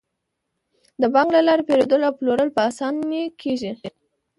د بانک له لارې پيرودل او پلورل په اسانۍ کیږي.